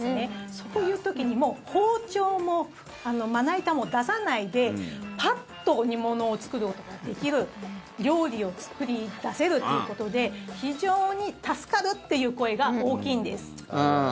そういう時にも包丁も、まな板も出さないでパッと煮物を作ることができる料理を作り出せるということで非常に助かるっていう声が大きいんです。